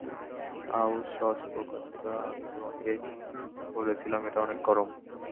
আউ, শশ বোকাচোদা আমি তোমাকে বলেছিলাম এটা অনেক গরম।